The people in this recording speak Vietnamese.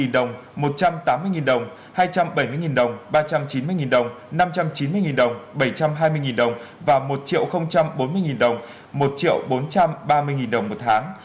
hai mươi đồng một trăm tám mươi đồng hai trăm bảy mươi đồng ba trăm chín mươi đồng năm trăm chín mươi đồng bảy trăm hai mươi đồng và một bốn mươi đồng một bốn trăm ba mươi đồng một tháng